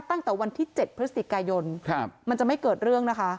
ตั้งแต่วันที่เจ็ดพฤษฎีกายนครับมันจะไม่เกิดเรื่องนะคะ